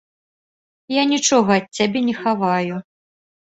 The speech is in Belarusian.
Я нічога ад цябе не хаваю.